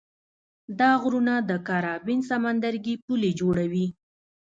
دا غرونه د کارابین سمندرګي پولې جوړوي.